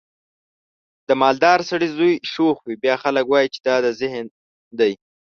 د مالدار سړي زوی شوخ وي بیا خلک وایي چې دا ذهین دی.